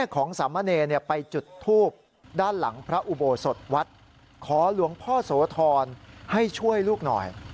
ก็อุโบสทวัดขอหลวงพ่อสวทรให้ช่วยลูกหน่อย